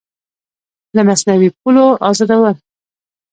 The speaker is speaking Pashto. له مصنوعي پولو ازادول